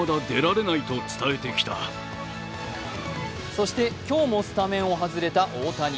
そして今日もスタメンを外れた大谷。